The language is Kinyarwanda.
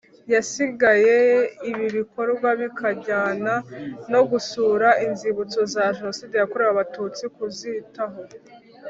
Yasigaye ibi bikorwa bikajyana no gusura inzibutso za jenoside yakorewe abatutsi kuzitaho